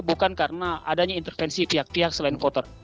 bukan karena adanya intervensi tiap tiap selain voter